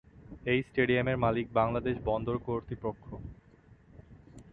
এই স্টেডিয়ামের মালিক বাংলাদেশ বন্দর কর্তৃপক্ষ।